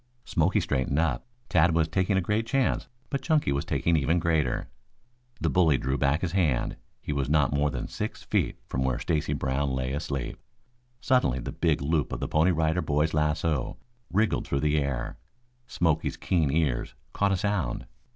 Smoky straightened up. Tad was taking a great chance, but Chunky was taking even greater. The bully drew back his hand. He was not more than six feet from where Stacy Brown lay asleep. Suddenly the big loop of the Pony Rider Boy's lasso wriggled through the air. Smoky's keen ears caught a sound.